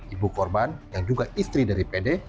ibu korban yang juga istri dari pd